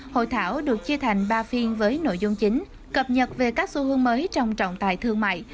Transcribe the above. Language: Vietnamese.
hội thảo được chia thành ba phiên với nội dung chính cập nhật về các xu hướng mới trong trọng tài thương mại